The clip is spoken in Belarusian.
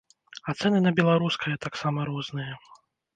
А цэны на беларускае таксама розныя.